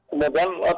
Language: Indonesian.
teleponnya yang masuk